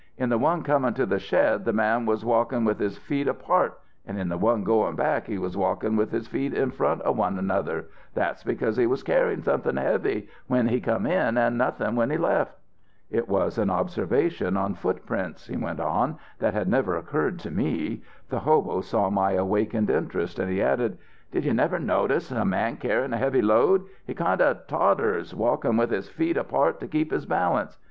In the one comin' to the shed the man was walkin' with his feet apart and in the one goin' back he was walkin' with his feet in front of one another; that's because he was carryin' somethin' heavy when he come an' nothin' when he left.' "It was an observation on footprints," he went on, "that had never occurred to me. The hobo saw my awakened interest, and he added: "'Did you never notice a man carryin a heavy load? He kind of totters, walkin' with his feet apart to keep his balance.